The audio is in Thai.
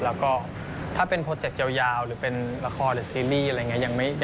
แล้วก็ถ้าเป็นโปรเจคยาวหรือเป็นละครหรือซีรีส์อะไรอย่างนี้